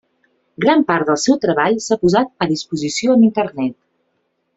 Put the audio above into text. Gran part del seu treball s'ha posat a disposició en internet.